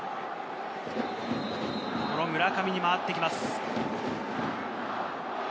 この村上に回ってきます。